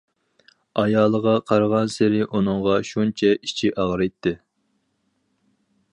ئايالىغا قارىغانسېرى ئۇنىڭغا شۇنچە ئىچى ئاغرىيتتى.